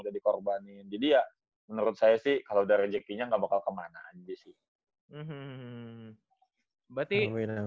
udah dikorbanin jadi ya menurut saya sih kalau udah rejekinya nggak bakal kemana aja sih berarti